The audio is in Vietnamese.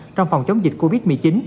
trong phòng chống dịch covid một mươi chín